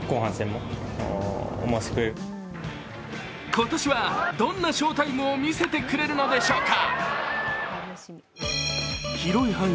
今年はどんな翔タイムを見せてくれるのでしょうか。